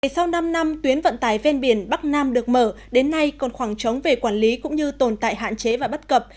sau năm năm tuyến vận tải ven biển bắc nam được mở đến nay còn khoảng trống về quản lý cũng như tồn tại hạn chế và bất cập